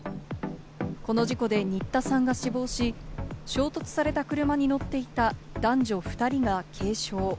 この事故で新田さんが死亡し、衝突された車に乗っていた男女２人が軽傷。